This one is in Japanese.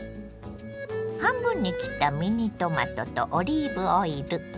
半分に切ったミニトマトとオリーブオイル